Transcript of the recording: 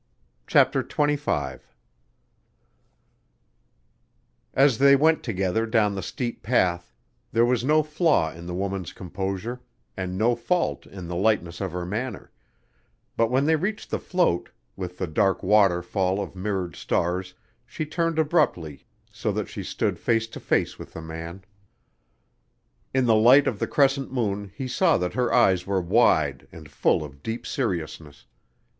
CHAPTER XXV AS they went together down the steep path, there was no flaw in the woman's composure and no fault in the lightness of her manner, but when they reached the float, with the dark water fall of mirrored stars she turned abruptly so that she stood face to face with the man. In the light of the crescent moon he saw that her eyes were wide and full of a deep seriousness.